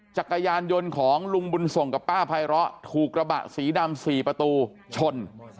จักรยานยนต์ของลุงบุญส่งกับป้าไพร้อถูกกระบะสีดำ๔ประตูชน